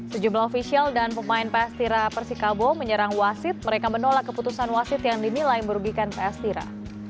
sejumlah ofisial dan pemain ps tira persikabo menyerang wasid mereka menolak keputusan wasid yang dinilai merugikan ps tira